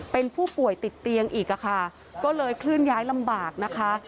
เป็นผู้ป่วยติดเตียงอีกค่ะก็เลยเคลื่อนย้ายลำบากนะคะ